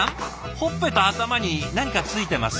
ほっぺと頭に何か付いてます。